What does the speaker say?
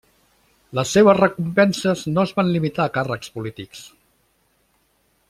Les seves recompenses no es van limitar a càrrecs polítics.